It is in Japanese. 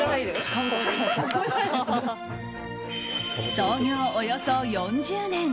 創業およそ４０年。